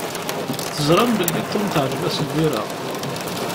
Teẓram belli Tom teεǧeb-as lbira.